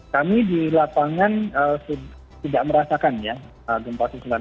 kami di lapangan tidak merasakan ya gempa susulan